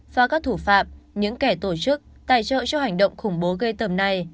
và các thủ phạm những kẻ tổ chức tài trợ cho hành động khủng bố gây tầm này